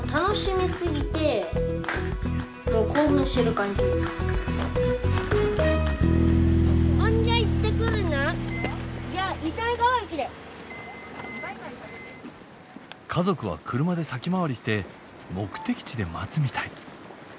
家族は車で先回りして目的地で待つみたい。